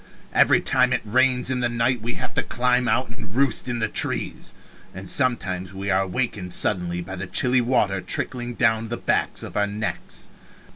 Every time it rains in the night we have to climb out and roost in the trees and sometimes we are wakened suddenly by the chilly water trickling down the back of our necks.